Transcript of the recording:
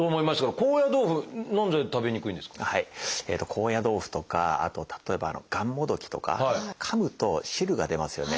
高野豆腐とかあと例えばがんもどきとかかむと汁が出ますよね。